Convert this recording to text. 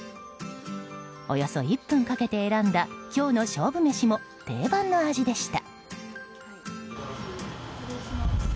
およそ１分かけて選んだ今日の勝負メシも定番の味でした。